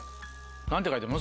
何て書いてあるの？